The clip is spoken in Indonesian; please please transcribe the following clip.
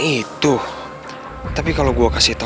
ya tapi lo udah kodok sama ceweknya